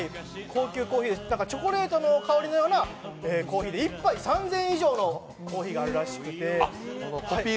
チョコレートの香りのようなコーヒーで、１杯３０００円以上のコーヒーがあるらしくて。